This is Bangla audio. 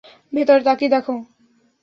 ভেতরে তাকিয়ে দেখো!